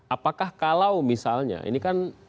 apakah kalau misalnya ini kan